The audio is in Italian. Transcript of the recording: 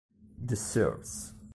The Source